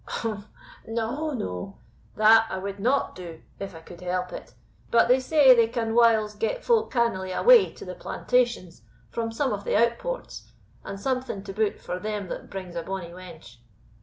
"Umph! no, no; that I would not do, if I could help it. But they say they can whiles get folk cannily away to the plantations from some of the outports, and something to boot for them that brings a bonny wench.